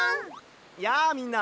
やあみんな！